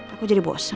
aku jadi bosen